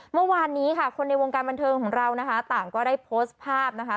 เมื่อวานนี้ค่ะคนในวงการบันเทิงของเรานะคะต่างก็ได้โพสต์ภาพนะคะ